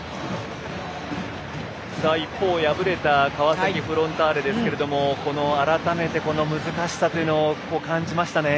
一方、敗れた川崎フロンターレですがこの改めて難しさというのを感じましたね。